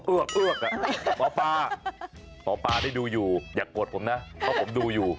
แล้วอือกอือกอือกหมอปลาหมอปลาได้ดูอยู่อย่ากดผมนะเพราะผมดูอยู่